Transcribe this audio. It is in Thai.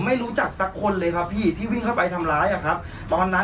สนุนโดยสายการบินไทยนครปวดท้องเสียขับลมแน่นท้อง